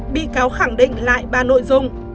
bị cáo khẳng định lại ba nội dung